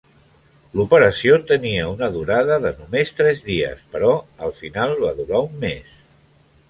L'operació tenia una durada de només tres dies, però al final va durar un mes.